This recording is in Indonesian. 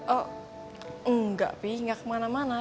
oh enggak pi enggak kemana mana